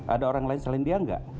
ada orang lain selain dia enggak